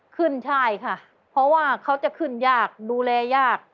ขึ้นใช่ค่ะเพราะว่าเขาจะขึ้นยากดูแลยาก